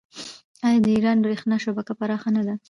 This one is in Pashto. آیا د ایران بریښنا شبکه پراخه نه ده؟